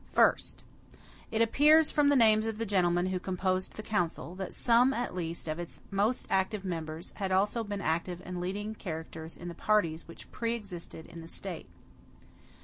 First. It appears, from the names of the gentlemen who composed the council, that some, at least, of its most active members had also been active and leading characters in the parties which pre existed in the State.